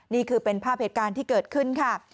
นี่คือเป็นภาพเหตุการณ์ที่เกิดขึ้นค่ะ